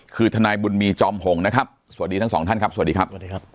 คือทนายบุญมีจอมหงษ์นะครับสวัสดีทั้งสองท่านครับสวัสดีครับสวัสดีครับ